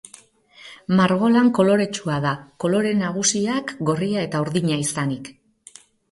Margolan koloretsua da, kolore nagusiak gorria eta urdina izanik.